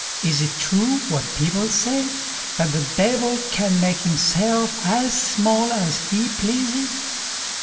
Is it true what people say, that the Devil can make himself as small as he pleases?"